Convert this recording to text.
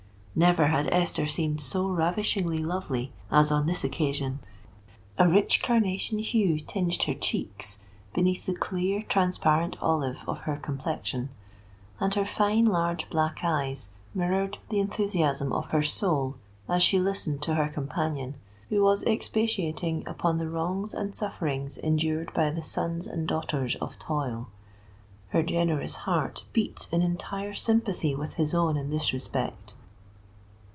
Never had Esther seemed so ravishingly lovely as on this occasion:—a rich carnation hue tinged her cheeks, beneath the clear, transparent olive of her complexion; and her fine large black eyes mirrored the enthusiasm of her soul, as she listened to her companion, who was expatiating upon the wrongs and sufferings endured by the sons and daughters of toil. Her generous heart beat in entire sympathy with his own in this respect.